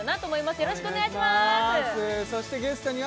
よろしくお願いします